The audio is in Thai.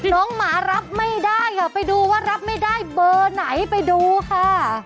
หมารับไม่ได้ไปดูว่ารับไม่ได้เบอร์ไหนไปดูค่ะ